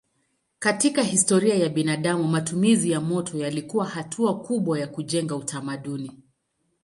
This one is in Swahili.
Katika historia ya binadamu matumizi ya moto yalikuwa hatua kubwa ya kujenga utamaduni.